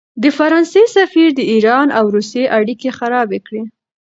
د فرانسې سفیر د ایران او روسیې اړیکې خرابې کړې.